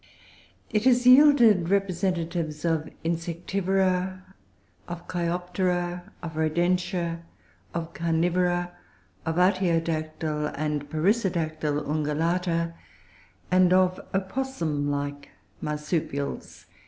It has yielded representatives of Insectivora, of Cheiroptera, of Rodentia, of Carnivora, of artiodactyle and perissodactyle Ungulata, and of opossum like Marsupials.